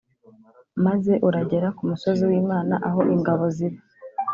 Maze uragera ku musozi wimana aho ingabo ziba